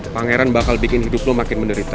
pangeran bakal bikin hidup lo makin menderita